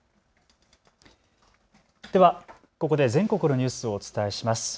ではここで全国のニュースをお伝えします。